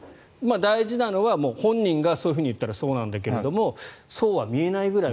大事なのは本人がそういうふうに言ったらそうなんだけれどもそうは見えないぐらい